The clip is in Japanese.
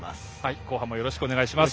後半もよろしくお願いします。